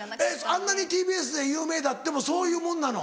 あんなにＴＢＳで有名であってもそういうもんなの？